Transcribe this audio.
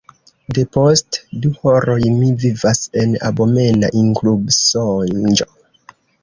Depost du horoj mi vivas en abomena inkubsonĝo.